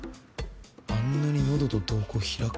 あんなに喉と瞳孔開く？